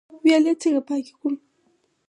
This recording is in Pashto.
ویالې څنګه پاکې کړو؟